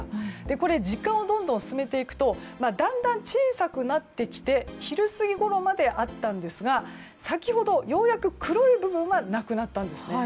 これ時間をどんどん進めていくとだんだん小さくなってきて昼過ぎごろまであったんですが先ほど、ようやく黒い部分がなくなったんですね。